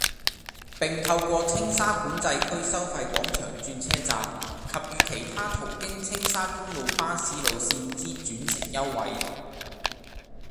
並透過青沙管制區收費廣場轉車站及與其他途經青沙公路巴士路線之轉乘優惠，